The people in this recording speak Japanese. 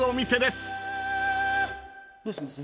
どうします？